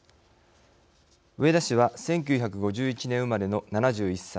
植田氏は１９５１年生まれの７１歳。